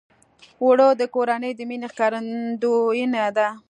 اوړه د کورنۍ د مینې ښکارندویي ده